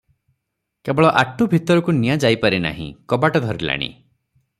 କେବଳ ଆଟୁ ଭିତରକୁ ନିଆଁ ଯାଇପାରି ନାହିଁ, କବାଟ ଧରିଲାଣି ।